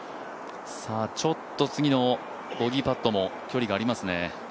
ちょっと次のボギーパットも進んでいますね。